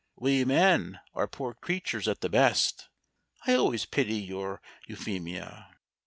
We men are poor creatures at the best I always pity your Euphemia.